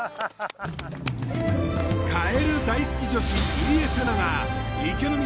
カエル大好き女子入江聖奈が「池の水」